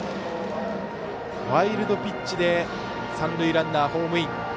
ワイルドピッチで三塁ランナー、ホームイン。